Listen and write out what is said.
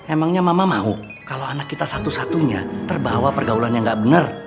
emangnya mama mau kalau anak kita satu satunya terbawa pergaulan yang nggak benar